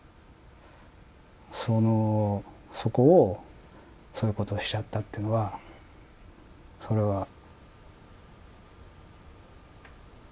そのそこをそういうことをしちゃったというのはそれは。